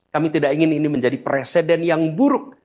kami tidak ingin ini menjadi presiden yang buruk